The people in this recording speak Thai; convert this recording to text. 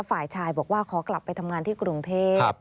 ฝ่ายชายบอกว่าขอกลับไปทำงานที่กรุงเทพ